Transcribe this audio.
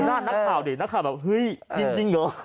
นักศาลมาบอกฮึยจริงจริงเหรอ